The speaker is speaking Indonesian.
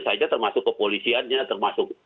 saja termasuk kepolisiannya termasuk